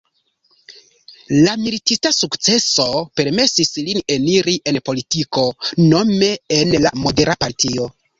La militista sukceso permesis lin eniri en politiko nome en la Modera Partio.